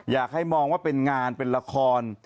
อยากให้มองว่าเป็นงานเป็นละคร